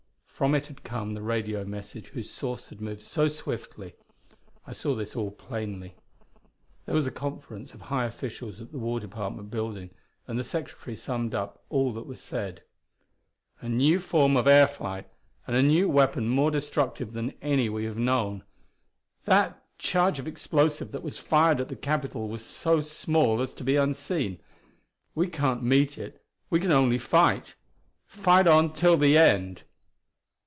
From it had come the radio message whose source had moved so swiftly. I saw this all plainly. There was a conference of high officials at the War Department Building, and the Secretary summed up all that was said: "A new form of air flight, and a new weapon more destructive than any we have known! That charge of explosive that was fired at the Capitol was so small as to be unseen. We can't meet it; we can only fight. Fight on till the end."